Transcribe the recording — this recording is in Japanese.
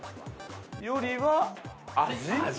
◆よりは味？